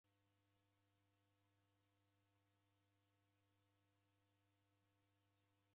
Omoni nio uko na w'ongo nandighi kilasinyi kodu.